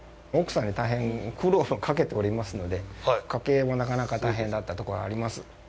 奥さんには大変苦労をかけておりますので、家計もなかなか大変だったところはあります。